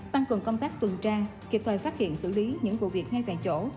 tăng cường công tác tuần tra kịp thời phát hiện xử lý những vụ việc ngay tại chỗ